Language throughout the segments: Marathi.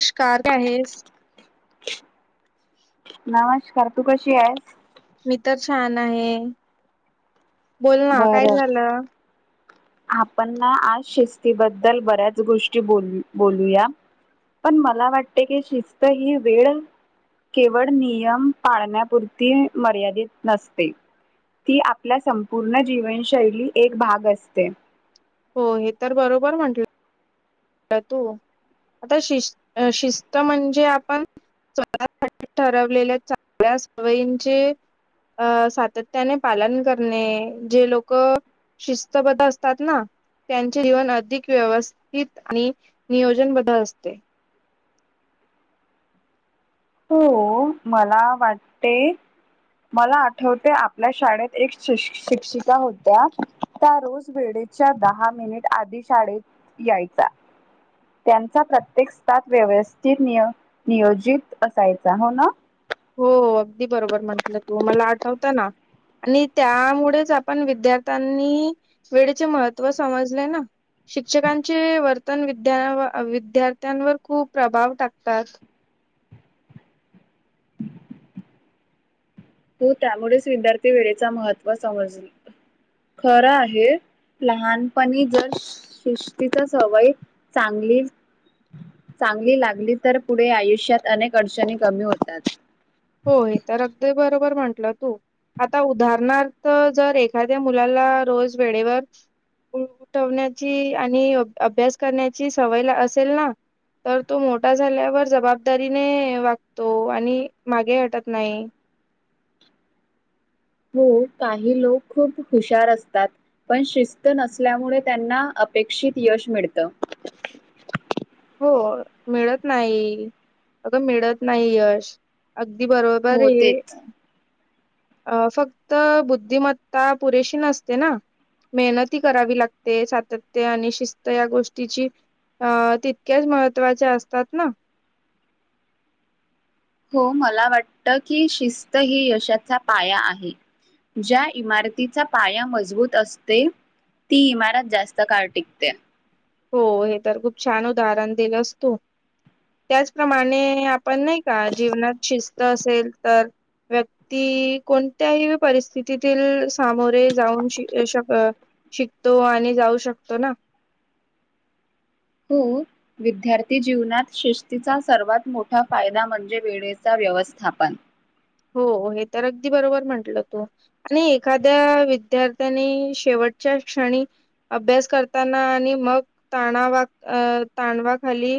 [unintelligible] आहेस नमस्कार, तू कशी आहेस. इतर छान आहे. बोल ना काय झालं? आपणना आज शिस्तीबद्दल बऱ्याच गोष्टी बोल बोलूया, पण मला वाटते की शिस्त ही वेळ केवळ नियम पाळण्यापुरती मर्यादित नसते, ती आपल्या संपूर्ण जीवनशैली एक भाग असते. ते हो हे तर बरोबर म्हंटलं आता शि शिस्त म्हणजे आपण स्वतः ठरवलेल्या चांगल्या सवयींचे अ सातत्याने पालन करणे, जे लोक शिस्तबद्ध असतात ना त्यांचे जीवन अधिक व्यवस्थित आणि नियोजन बधल असते. हो मला वाटते मला आठवते आपल्या शाळेत एक श शिक्षिका होत्या त्या रोज वेळेच्या दहा मिनिट आधी शाळेत यायचा, त्यांचा प्रत्येक स्थात व्यवस्थित निय नियोजित असायचा हो ना. हो अगदी बरोबर म्हंटलं तू, मला आठवत ना आणि त्यामुळेच आपण विद्यार्थ्यांनी वेळेचे महत्व समजले ना शिक्षकांचे वर्तन विद्या विद्यार्थ्यांवर खूप प्रभाव टाकतात. तो त्यामुळेच विद्यार्थी वेळेच महत्त्व समज खरं आहे. लहानपणी जर शिस्तीचा सवय चांगली चांगली लागली तर पुढे आयुष्यात अनेक अडचणी कमी होतात. म्हटलं तू, आता उदाहरणार्थ जर एखाद्या मुलाला रोज वेळेवर उ उठवण्याची आणि अभ्यास करण्याची सवय असेल ना तर तो मोठा झाल्यावर जबाबदारीने वागतो आणि मागे हाटत नाही. हो काही लोक खूप हुशार असतात, पण शिस्त नसल्यामुळे त्यांना अपेक्षित यश मिळतं. हो मिळत नाही, अग मिळत नाही यश आगदी बरोबर हो आहे. तेच. अ फक्त बुद्धिमत्ता पुरेशी नसते ना मेहनत ही करावी लागते, सातत्य आणि शिस्त या गोष्टीची अ त [unintelligible] महत्त्वाच्या असतात ना. हो. मला वाटत की शिस्त ही यशाचा पाया आहे. ज्या इमारतीचा पाया मजबूत असते, ती इमारत जास्त काळ टिकते. हो. हे तर खूप छान उदाहरण दिलंस तु. त्याचप्रमाणे नाही आपण नाही का जीवनात शिस्त - - असेल तर, व्यक्ती कोणत्याही परिस्थितीतील सामोरे जाऊन शि शक शिकतो आणि जाऊ शकतो ना. हो. विद्यार्थी जीवनात शिस्तीचा सर्वात मोठा फायदा म्हणजे वेळेचा व्यवस्थापन. हो. हे तर अगदी बरोबर म्हंटलं तू आणि एखाद्या विद्यार्थ्यांनी शेवटच्या क्षणी अभ्यास करताना आणि मग ताणावा अं ताणवाखाली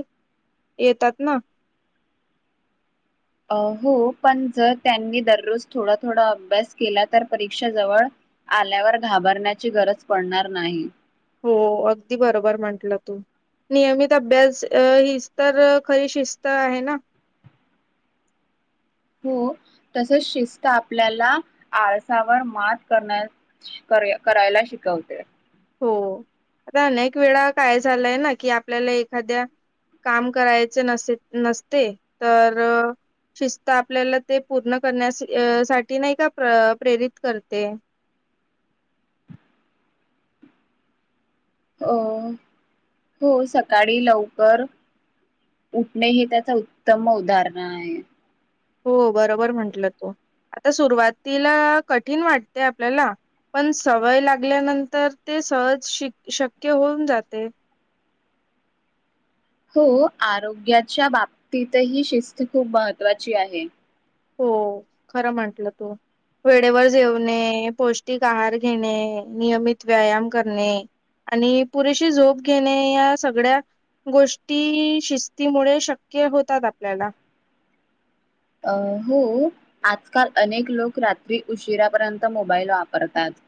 येतात ना. अ हो पण, जर त्यांनी दररोज थोडा थोडा अभ्यास केला तर, परीक्षा जवळ आल्यावर घाबरण्याची गरज पडणार नाही. हो. अगदी बरोबर म्हंटलं तू नियमित अभ्यास अ हि तर खरी शिस्त आहे ना. हो. तसच शिस्त आपल्याला आळसावर मात करण्यास करा करायला शिकवते. हो. आता अनेक वेळा काय झालंय ना कि आपल्याला एखाद्या काम करायचे नसे नसते तर शिस्त आपल्याला ते पूर्ण करण्या साठी नाही का प्रेरित करते. हो, हो. सकाळी लवकर उठणे हे त्याच उत्तम उदाहरण आहे. हो. बरोबर म्हंटलं तु आता सुरुवातीला कठीण वाटते आपल्याला पण सवय लागल्यानंतर ते सहज शि शक्य होऊन जातयं. हो, आरोग्याच्या बाबतीतही शिस्त खूप महत्त्वाची आहे. हो. खरं म्हटलं तू वेळेवर जेवणे, पोष्टिक आहार घेणे, नियमित व्यायाम करणे आणि पुरेशी झोप घेणे, या सगळ्या गोष्टी शिस्तीमुळे शक्य होतात आपल्याला. अ होअ आजकाल अनेक लोक रात्री उशिरापर्यंत मोबाईल वापरतात.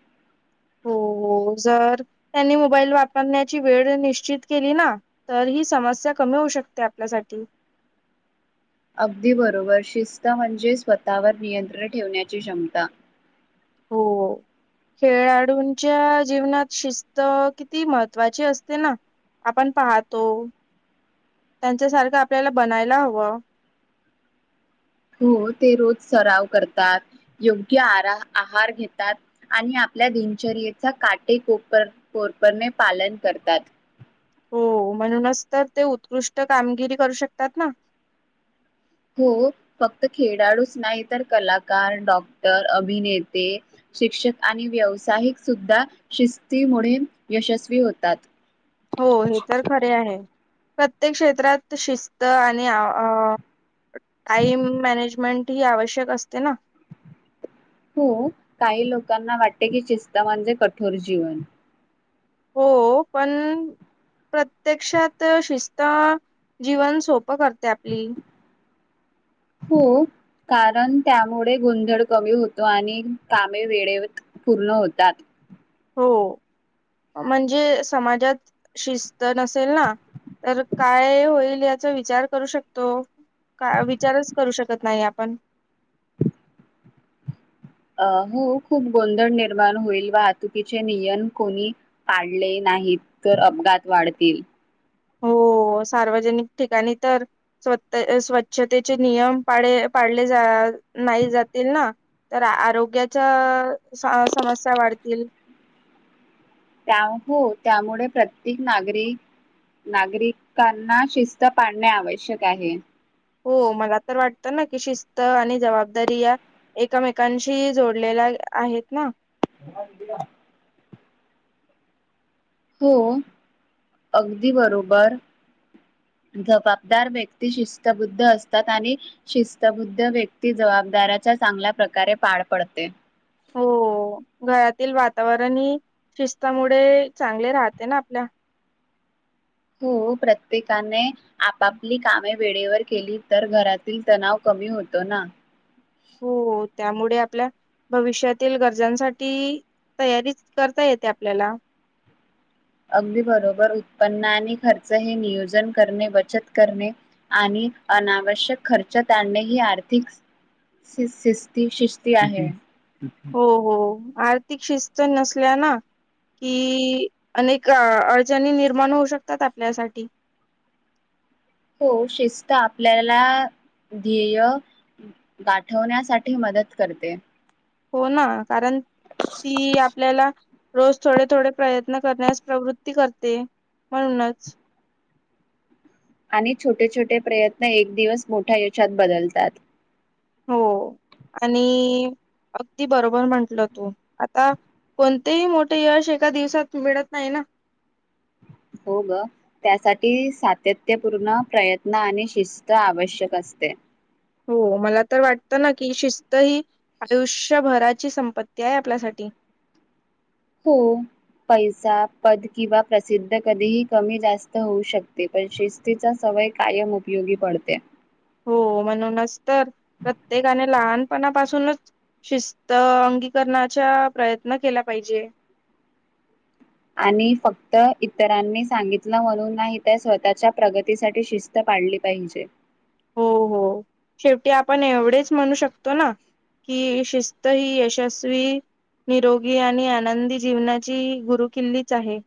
हो हो. जर त्यांनी मोबाईल वापरण्याची वेळ निश्चित केली ना, तर ही समस्या कमी होऊ शकते आपल्यासाठी. अगदी बरोबर, शिस्त म्हणजे स्वतःवर नियंत्रण ठेवण्याची क्षमता. हो. खेळाडूंच्या जीवनात शिस्त किती महत्त्वाची असते ना? आपण पाहतो त्यांच्या सारखं आपल्याला बनायला हवं. हो ते रोज सराव करतात. योग्य आरा आहार घेतात आणि आपल्या दिनचर्येचा काटेकोपर काटेकोरपने पालन करतात. हो म्हणूनच तर, ते उत्कृष्ट कामगिरी करू शकतात ना. हो फक्त खेडाडूच नाही तर, कलाकार, डॉक्टर, अभिनेते, शिक्षक आणि व्यावसायिक सुद्धा शिस्तीमुळे यशस्वी होतात. हो, हे तर खरे आहे. प्रत्येक क्षेत्रात शिस्त आणि आ आ टाईम मॅनेजमेंट ही आवश्यक असते ना. हो काही लोकांना वाटते की, शिस्त म्हणजे कठोर जीवन. हो पण, प्रत्यक्षात शिस्त अ जीवन सोपं करते आपली. हो कारण, त्यामुळे गोंधळ कमी होतो आणि कामे वेळेत पूर्ण होतात. हो म्हणजे समाजात शिस्त नसेल ना, तर काय होईल? याचा विचार करू शकतो, का विचारच करू शकत नाही आपण? अ हो खूप गोंधळ निर्माण होईल. वाहतुकीचे नियम कोणी पाळले नाहीत तर, अपघात वाढतील. होअ सार्वजनिक ठिकाणी तर, स्व स्वच्छतेचे नियम पाळे पाळले नाही जातील ना तर, आरोग्याचा आ सा समस्या वाढतील. त्या हो, त्यामुळे प्रत्येक नागरिक नागरिकांना शिस्त पाळणे आवश्यक आहे. हो मला तर वाट त ना कि, शिस्त आणि जबाबदारी या एकमेकांशी जोडलेल्या आ आहेत ना. [unintelligible] हो अगदी बरोबर जबाबदार व्यक्ती शिस्तबुद्ध असतात, आणि शिस्तबुद्ध व्यक्ती जबाबदाराच्या चांगल्या प्रकारे पार पडते. हो घरातील वातावरण आणि शिस्तामुळे चांगले राहते, ना आपल्या. तू प्रत्येकाने आपापली कामे वेळेवर केली, तर घरातील तणाव कमी होतो ना. हो, त्यामुळे आपल्या भविष्यातील गरजांसाठी तयारीच करता येते आपल्याला. अगदी बरोबर उत्पन्नाने खर्च हे नियोजन करणे बचत करणे, आणि अनावश्यक खर्चात आणणे ही आर्थिक शिस्ती शिस्ती आहे. हो हो. आर्थिक शिस्त नसल्या ना, कि अनेक अडचणी निर्माण होऊ शकतात आपल्यासाठी. हो शिस्त आपल्याला ध्येय गाठवण्यासाठी मदत करते. हो, ना. कारण ती आपल्याला रोज थोडे थोडे प्रयत्न करण्यास प्रवृत्ती करते म्हणूनच. आणि छोटे छोटे प्रयत्न एक दिवस मोठ्या यशात बदलतात. हो आणि अगदी बरोबर म्हटलं तू आता कोणतेही मोठे यश एका दिवसात मिळत नाही ना. हो ग त्यासाठी सातत्यपूर्ण प्रयत्न आणि शिस्त आवश्यक असते. हो मला तर वाटतं ना की शिस्त ही आयुष्यभराची संपत्ती आहे आपल्यासाठी. हो पैसा पद किंवा प्रसिद्ध कधीही कमी जास्त होऊ शकते पण शिस्तीचा सवय कायम उपयोगी पडते. हो म्हणूनच. तर प्रत्येकाने लहान. पणापासूनच शिस्त अंगीकरणाचा प्रयत्न केला पाहिजे. आणि फक्त इतरांनी सांगितलं म्हणून नाही त्या स्वतःच्या प्रगतीसाठी शिस्त पाळली पाहिजे. हो हो शेवटी आपण एवढेच म्हणू शकतो ना, की शिस्त ही यशस्वी निरोगी आणि आनंदी जीवनाची गुरु किल्लीच आहे,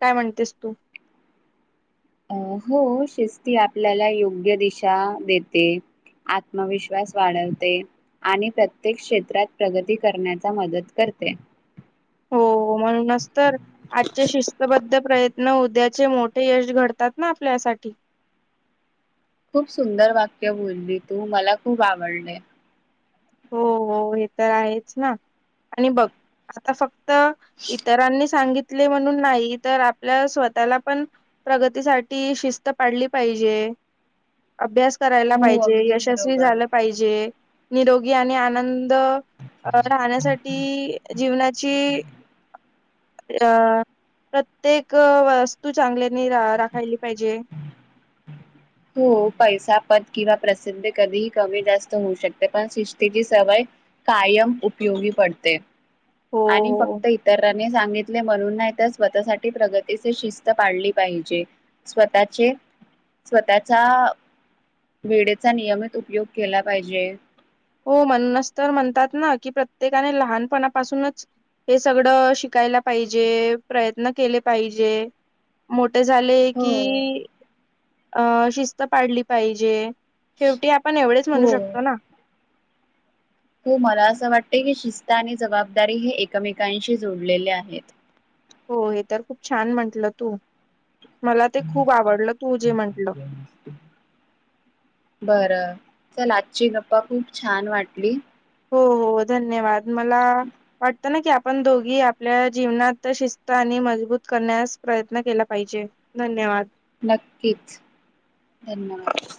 काय म्हणतेस तू. अं हो शिस्ती आपल्याला योग्य दिशा देते, आत्मविश्वास वाढवते, आणि प्रत्येक क्षेत्रात प्रगती करण्याचा मदत करते. हो म्हणूनच तर आजच्या शिस्तबद्ध प्रयत्न न उद्याचे मोठे यश घडतात ना आपल्यासाठी खूप सुंदर वाक्य बोलली तू मला खूप आवडले हो हो हे तर आहेच ना आणि बघ आता फक्त इतरांनी सांगित म्हण नाही तर आपल्या स्वतःला पण प्रगतीसाठी शिस्त पाडली पाहिजे अभ्या करायला हो पाहिजे अगदी यशस्वी बरोबर झालं पाहिजे निरोग आणि आनंद राहण्यासाठी जीवनाची अ प्रत्येक वस्तू चांगले रा राखायली पाहिजे तो पैसा पद किंवा प्रसिद्धी कधीही कमी जास्त होऊ शकते पण शिस्तीची सवय कायम उपयोगी पडते हो आणि हो फक्त इतर सांगितले म्हणून नाही तर स्वतःसाठी प्रगतीचे शिस्त पाडली पाहिजे स्वतःचे स्वतःचा वेळेचा नियमित उपयोग केला पाहिजे हो म्हणस तर म्हणतात ना की प्रत्येकाने लहानपणापासूनच हे सगळं शिकायला पाहिजे प्रयत्न केले पाहिजे ते झाले हो. की अ शिस्त पाडली पाहिजे शेवटी आपण एवढेच म्हणू हो. शकतो ना हो मला असं वाटते की शिस्त आणि जबाबदारी हे एकमेकांशी जोडलेले आहेत हो हे तर खूप छान म्हंटलं तू मला ते खूप आवडलं तू जे म्हंटलं चला आजची गप्पा खूप छान वाटली हो हो धन्यवाद मला ता की आपण दोघी आपल्या जीवनात शिस्त आणि मजबूत करण्यास प्रयत्न केला पाहिजे धन्यवाद नक्कीच धन्यवाद